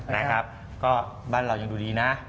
นะครับก็บ้านเรายังดูดีนะ